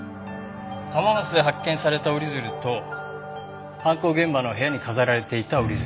浜松で発見された折り鶴と犯行現場の部屋に飾られていた折り鶴。